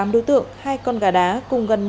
một mươi tám đối tượng hai con gà đá cùng gần